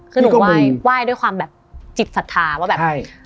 คือหนูไหว้ด้วยความแบบจิตศรัทธาว่าแบบใช่